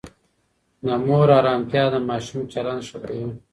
د مور آرامتیا د ماشوم چلند ښه کوي.